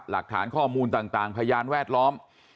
หลักฐานข้อมูลต่างพยานแวดล้อม